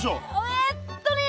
えっとね